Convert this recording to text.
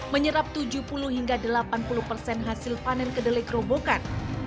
menyerap tujuh puluh hingga delapan puluh persen hasil panen kedelai kerobokan